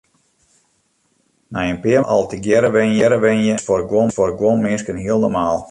Nei in pear moannen al tegearre wenje is foar guon minsken hiel normaal.